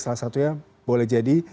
salah satunya boleh jadi